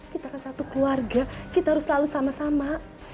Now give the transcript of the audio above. kita kan satu keluarga kita harus selalu sama sama